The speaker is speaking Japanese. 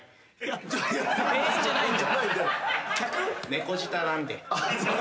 猫舌なんで。